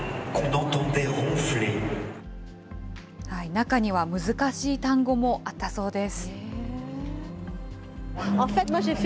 中には難しい単語もあったそうです。